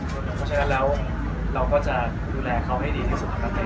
เพราะฉะนั้นแล้วเราก็จะดูแลเขาให้ดีที่สุขค่ะเต็ม